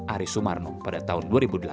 aris sumarno pada tahun dua ribu delapan